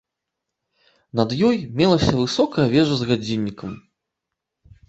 Над ёй мелася высокая вежа з гадзіннікам.